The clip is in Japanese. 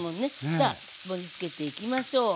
さあ盛りつけていきましょう。